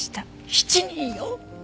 ７人よ！